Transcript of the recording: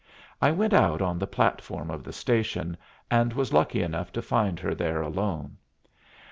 I went out on the platform of the station, and was lucky enough to find her there alone.